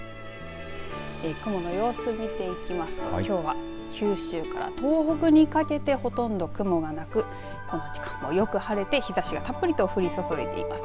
雲の様子見ていきますときょうは九州から東北にかけてほとんど雲がなくこの時間もよく晴れて日ざしがたっぷりと降り注いでいます。